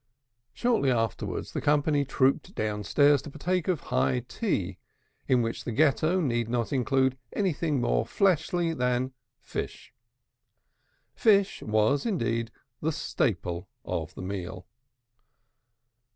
Shortly afterwards the company trooped downstairs to partake of high tea, which in the Ghetto need not include anything more fleshly than fish. Fish was, indeed, the staple of the meal.